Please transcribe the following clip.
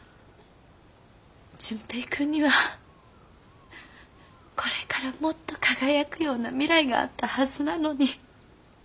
純平君にはこれからもっと輝くような未来があったはずなのに。